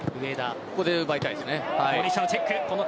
ここで奪いたいですね。